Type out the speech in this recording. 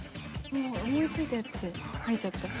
もう思いついたやつで書いちゃった。